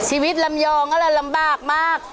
ชีวิตลำยองก็เลยลำบากมาก